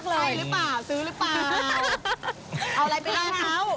เอาไรไปพลาดเขารานานาสอร์ฟ